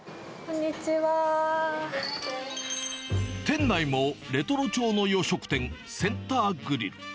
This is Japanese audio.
店内もレトロ調の洋食店、センターグリル。